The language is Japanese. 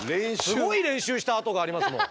すごい練習したあとがありますもん。